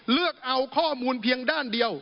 เลือกเอาข้อมูลเพียงด้านเดียว